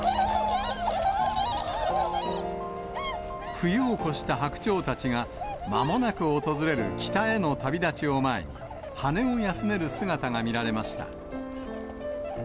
冬を越したハクチョウたちが、まもなく訪れる北への旅立ちを前に、羽を休める姿が見られました。